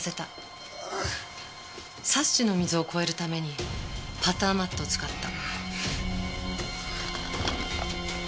サッシの溝を越えるためにパターマットを使った。